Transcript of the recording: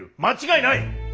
間違いない！